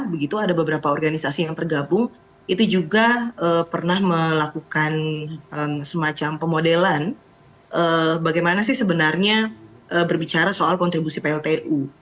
begitu ada beberapa organisasi yang tergabung itu juga pernah melakukan semacam pemodelan bagaimana sih sebenarnya berbicara soal kontribusi pltu